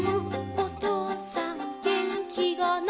おとうさんげんきがない」